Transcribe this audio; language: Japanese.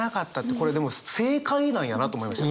これでも正解なんやなと思いました。